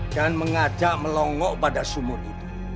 dan mengajak melonggok pada sumut itu